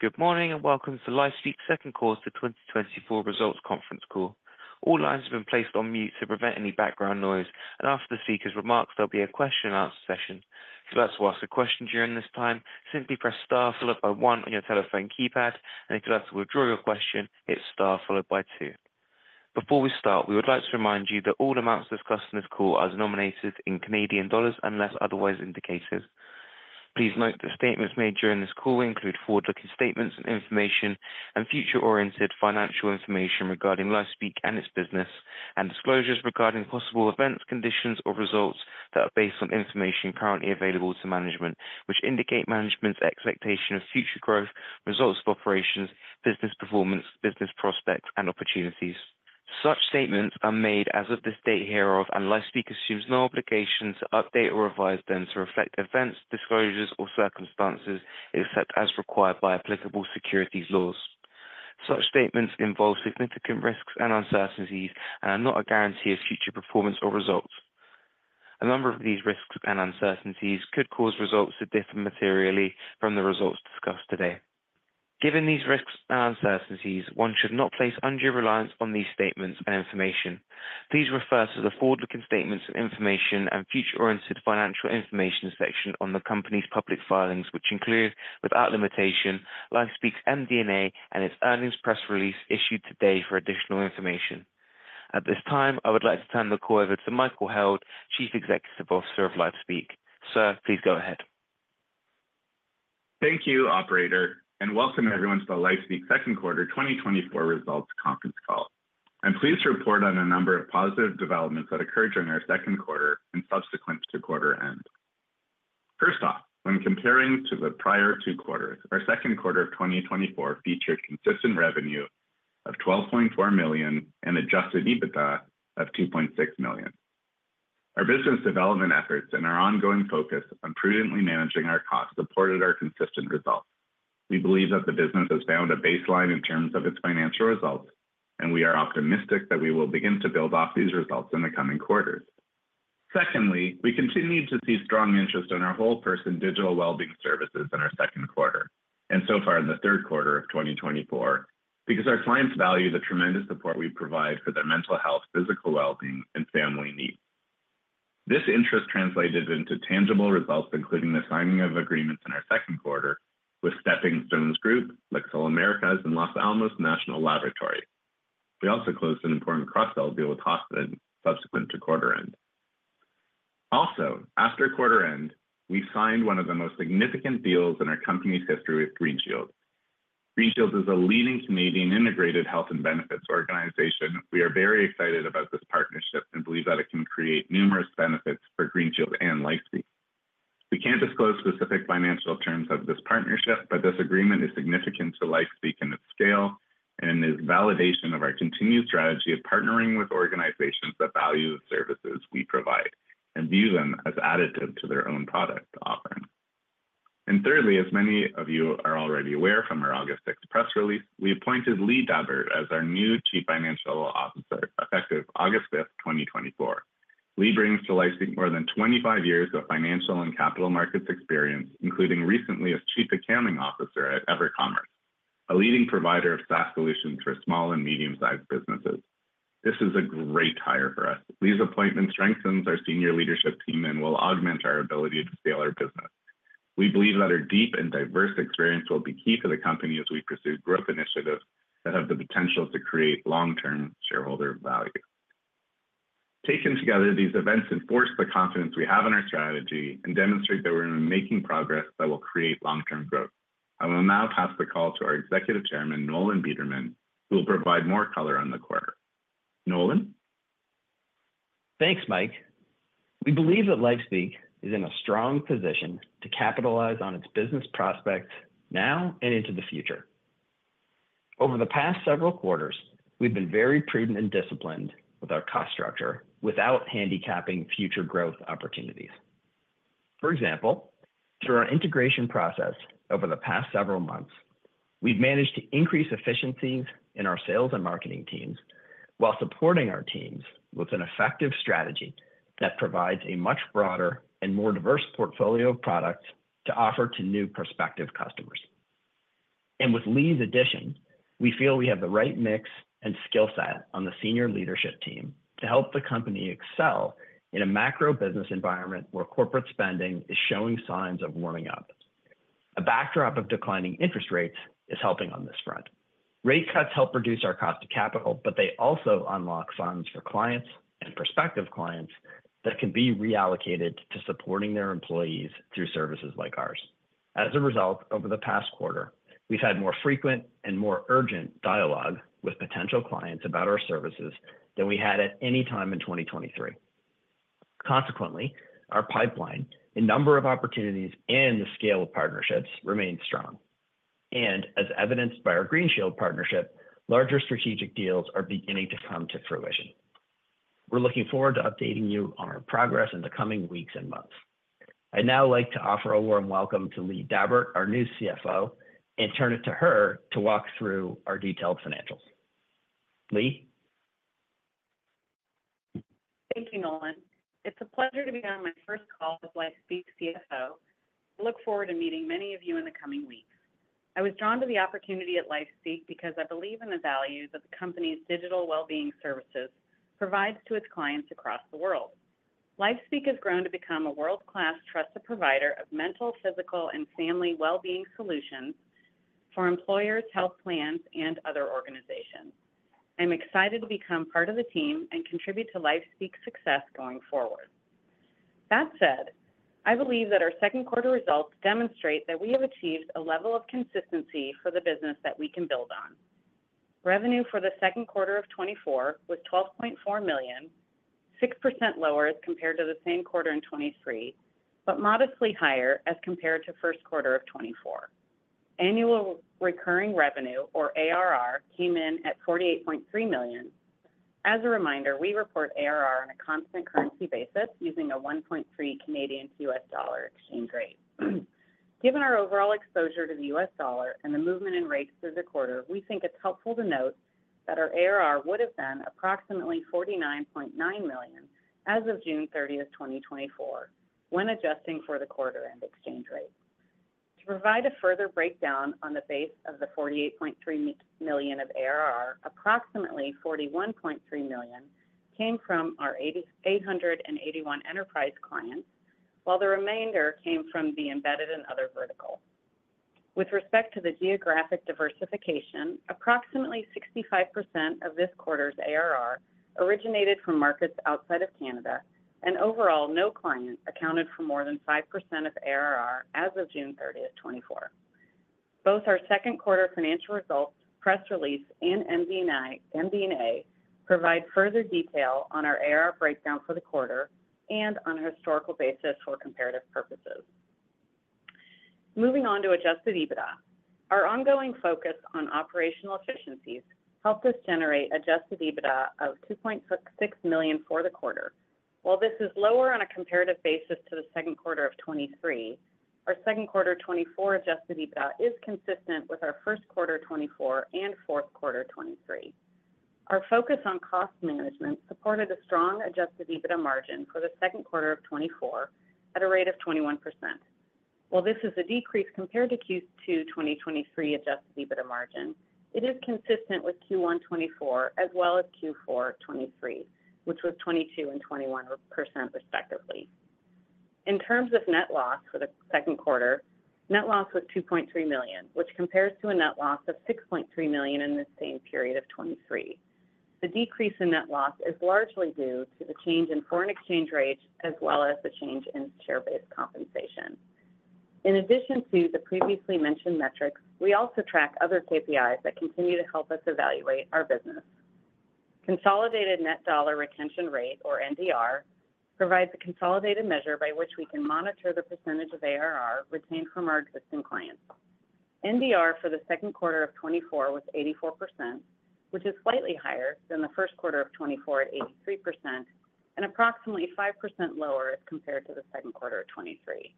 Good morning, and welcome to LifeSpeak's second quarter 2024 results conference call. All lines have been placed on mute to prevent any background noise, and after the speaker's remarks, there'll be a question and answer session. If you'd like to ask a question during this time, simply press Star followed by One on your telephone keypad, and if you'd like to withdraw your question, hit Star followed by Two. Before we start, we would like to remind you that all amounts discussed in this call are denominated in Canadian dollars unless otherwise indicated. Please note that statements made during this call include forward-looking statements and information and future-oriented financial information regarding LifeSpeak and its business, and disclosures regarding possible events, conditions, or results that are based on information currently available to management, which indicate management's expectation of future growth, results of operations, business performance, business prospects, and opportunities. Such statements are made as of this date hereof, and LifeSpeak assumes no obligation to update or revise them to reflect events, disclosures, or circumstances, except as required by applicable securities laws. Such statements involve significant risks and uncertainties and are not a guarantee of future performance or results. A number of these risks and uncertainties could cause results to differ materially from the results discussed today. Given these risks and uncertainties, one should not place undue reliance on these statements and information. Please refer to the forward-looking statements and information and future-oriented financial information section on the company's public filings, which include, without limitation, LifeSpeak's MD&A and its earnings press release issued today for additional information. At this time, I would like to turn the call over to Michael Held, Chief Executive Officer of LifeSpeak. Sir, please go ahead. Thank you, operator, and welcome everyone to the LifeSpeak second quarter 2024 results conference call. I'm pleased to report on a number of positive developments that occurred during our second quarter and subsequent to quarter end. First off, when comparing to the prior two quarters, our second quarter of 2024 featured consistent revenue of $12.4 million and Adjusted EBITDA of $2.6 million. Our business development efforts and our ongoing focus on prudently managing our costs supported our consistent results. We believe that the business has found a baseline in terms of its financial results, and we are optimistic that we will begin to build off these results in the coming quarters. Secondly, we continued to see strong interest in our whole-person digital wellbeing services in our second quarter, and so far in the third quarter of 2024, because our clients value the tremendous support we provide for their mental health, physical wellbeing, and family needs. This interest translated into tangible results, including the signing of agreements in our second quarter with The Stepping Stones Group, LIXIL Americas, and Los Alamos National Laboratory. We also closed an important cross-sell deal with Hoffmaster Group subsequent to quarter end. Also, after quarter end, we signed one of the most significant deals in our company's history with GreenShield. GreenShield is a leading Canadian integrated health and benefits organization. We are very excited about this partnership and believe that it can create numerous benefits for GreenShield and LifeSpeak. We can't disclose specific financial terms of this partnership, but this agreement is significant to LifeSpeak and its scale and is validation of our continued strategy of partnering with organizations that value the services we provide and view them as additive to their own product offering. Thirdly, as many of you are already aware from our August 6 press release, we appointed Lee Dabbert as our new Chief Financial Officer, effective August 5, 2024. Lee brings to LifeSpeak more than 25 years of financial and capital markets experience, including recently as Chief Accounting Officer at EverCommerce, a leading provider of SaaS solutions for small and medium-sized businesses. This is a great hire for us. Lee's appointment strengthens our senior leadership team and will augment our ability to scale our business. We believe that her deep and diverse experience will be key to the company as we pursue growth initiatives that have the potential to create long-term shareholder value. Taken together, these events enforce the confidence we have in our strategy and demonstrate that we're making progress that will create long-term growth. I will now pass the call to our Executive Chairman, Nolan Bederman, who will provide more color on the quarter. Nolan? Thanks, Mike. We believe that LifeSpeak is in a strong position to capitalize on its business prospects now and into the future. Over the past several quarters, we've been very prudent and disciplined with our cost structure without handicapping future growth opportunities. For example, through our integration process over the past several months, we've managed to increase efficiencies in our sales and marketing teams while supporting our teams with an effective strategy that provides a much broader and more diverse portfolio of products to offer to new prospective customers. With Lee's addition, we feel we have the right mix and skill set on the senior leadership team to help the company excel in a macro business environment where corporate spending is showing signs of warming up. A backdrop of declining interest rates is helping on this front. Rate cuts help reduce our cost of capital, but they also unlock funds for clients and prospective clients that can be reallocated to supporting their employees through services like ours. As a result, over the past quarter, we've had more frequent and more urgent dialogue with potential clients about our services than we had at any time in 2023. Consequently, our pipeline, the number of opportunities, and the scale of partnerships remains strong. As evidenced by our GreenShield partnership, larger strategic deals are beginning to come to fruition. We're looking forward to updating you on our progress in the coming weeks and months. I'd now like to offer a warm welcome to Lee Dabbert, our new CFO, and turn it to her to walk through our detailed financials. Lee?... Thank you, Nolan. It's a pleasure to be on my first call as LifeSpeak's CFO. I look forward to meeting many of you in the coming weeks. I was drawn to the opportunity at LifeSpeak because I believe in the values of the company's digital well-being services provides to its clients across the world. LifeSpeak has grown to become a world-class trusted provider of mental, physical, and family well-being solutions for employers, health plans, and other organizations. I'm excited to become part of the team and contribute to LifeSpeak's success going forward. That said, I believe that our second quarter results demonstrate that we have achieved a level of consistency for the business that we can build on. Revenue for the second quarter of 2024 was $12.4 million, 6% lower as compared to the same quarter in 2023, but modestly higher as compared to first quarter of 2024. Annual Recurring Revenue, or ARR, came in at $48.3 million. As a reminder, we report ARR on a constant currency basis using a 1.3 Canadian to U.S. dollar exchange rate. Given our overall exposure to the U.S. dollar and the movement in rates through the quarter, we think it's helpful to note that our ARR would have been approximately $49.9 million as of June 30, 2024, when adjusting for the quarter-end exchange rate. To provide a further breakdown on the base of the $48.3 million of ARR, approximately $41.3 million came from our 881 enterprise clients, while the remainder came from the embedded and other vertical. With respect to the geographic diversification, approximately 65% of this quarter's ARR originated from markets outside of Canada, and overall, no client accounted for more than 5% of ARR as of June 30, 2024. Both our second quarter financial results, press release, and MD&A provide further detail on our ARR breakdown for the quarter and on a historical basis for comparative purposes. Moving on to adjusted EBITDA. Our ongoing focus on operational efficiencies helped us generate adjusted EBITDA of $2.6 million for the quarter. While this is lower on a comparative basis to the second quarter of 2023, our second quarter 2024 adjusted EBITDA is consistent with our first quarter 2024 and fourth quarter 2023. Our focus on cost management supported a strong adjusted EBITDA margin for the second quarter of 2024 at a rate of 21%. While this is a decrease compared to Q2 2023 adjusted EBITDA margin, it is consistent with Q1 2024 as well as Q4 2023, which was 22% and 21%, respectively. In terms of net loss for the second quarter, net loss was $2.3 million, which compares to a net loss of $6.3 million in the same period of 2023. The decrease in net loss is largely due to the change in foreign exchange rates, as well as the change in share-based compensation. In addition to the previously mentioned metrics, we also track other KPIs that continue to help us evaluate our business. Consolidated Net Dollar Retention rate, or NDR, provides a consolidated measure by which we can monitor the percentage of ARR retained from our existing clients. NDR for the second quarter of 2024 was 84%, which is slightly higher than the first quarter of 2024 at 83% and approximately 5% lower compared to the second quarter of 2023.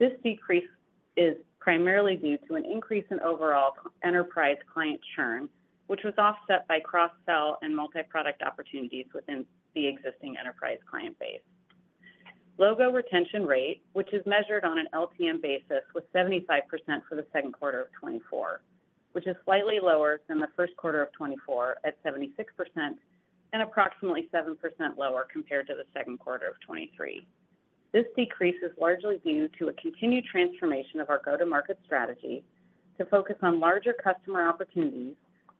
This decrease is primarily due to an increase in overall enterprise client churn, which was offset by cross-sell and multi-product opportunities within the existing enterprise client base. Logo Retention rate, which is measured on an LTM basis, was 75% for the second quarter of 2024, which is slightly lower than the first quarter of 2024 at 76% and approximately 7% lower compared to the second quarter of 2023. This decrease is largely due to a continued transformation of our go-to-market strategy to focus on larger customer opportunities,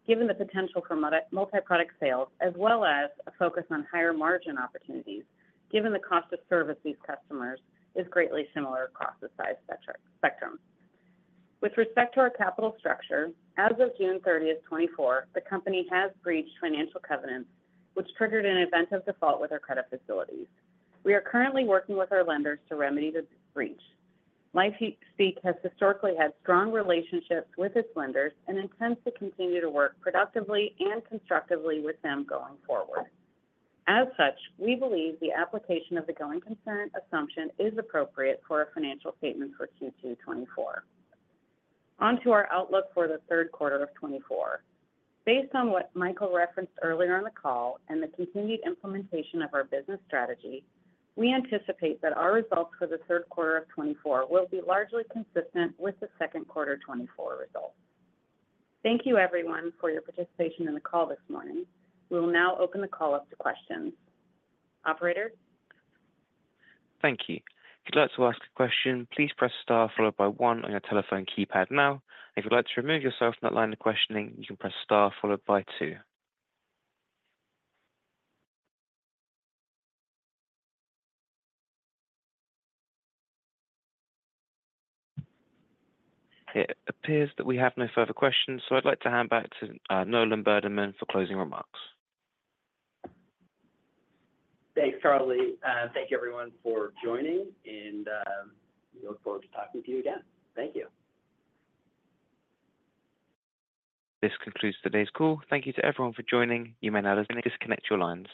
given the potential for multi-product sales, as well as a focus on higher-margin opportunities, given the cost to service these customers is greatly similar across the size spectrum. With respect to our capital structure, as of June 30, 2024, the company has breached financial covenants, which triggered an event of default with our credit facilities. We are currently working with our lenders to remedy the breach. LifeSpeak has historically had strong relationships with its lenders and intends to continue to work productively and constructively with them going forward. As such, we believe the application of the going concern assumption is appropriate for our financial statement for Q2 2024. On to our outlook for the third quarter of 2024. Based on what Michael referenced earlier on the call and the continued implementation of our business strategy, we anticipate that our results for the third quarter of 2024 will be largely consistent with the second quarter 2024 results. Thank you, everyone, for your participation in the call this morning. We will now open the call up to questions. Operator? Thank you. If you'd like to ask a question, please press Star followed by one on your telephone keypad now. If you'd like to remove yourself from that line of questioning, you can press Star followed by two. It appears that we have no further questions, so I'd like to hand back to Nolan Bederman for closing remarks. Thanks, Charlie. Thank you everyone for joining, and we look forward to talking to you again. Thank you. This concludes today's call. Thank you to everyone for joining. You may now disconnect your lines.